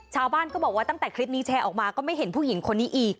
ชาวบ้านก็บอกว่าตั้งแต่คลิปนี้แชร์ออกมาก็ไม่เห็นผู้หญิงคนนี้อีก